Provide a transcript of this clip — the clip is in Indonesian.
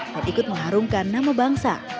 dan ikut mengharumkan nama bangsa